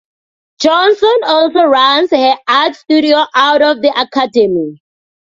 Johnson also runs her art studio out of the Academy.